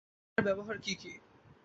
ইথিলিনের ব্যবহার কী কী?